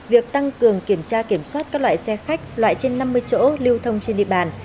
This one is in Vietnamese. việc tăng cường kiểm soát các loại xe khách loại trên năm mươi chỗ lưu thông trên địa bàn